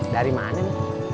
dari mana nek